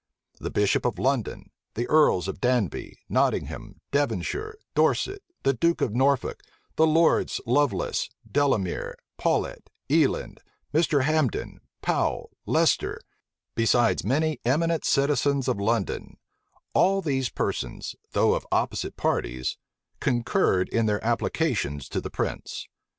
The bishop of London, the earls of Danby, Nottingham, Devonshire, Dorset, the duke of Norfolk, the lords Lovelace Delamere, Paulet, Eland, Mr. Hambden, Powle, Lester, besides many eminent citizens of London; all these persons, though of opposite parties, concurred in their applications to the prince.